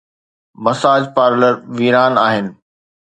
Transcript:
Massage parlour ويران آهن.